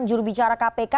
juru bicara kpk